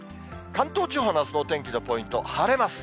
関東地方のあすのお天気のポイント、晴れます。